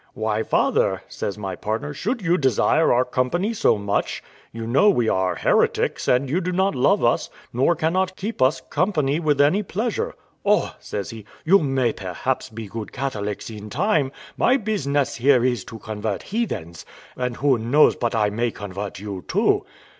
"Why, father," says my partner, "should you desire our company so much? you know we are heretics, and you do not love us, nor cannot keep us company with any pleasure." "Oh," says he, "you may perhaps be good Catholics in time; my business here is to convert heathens, and who knows but I may convert you too?"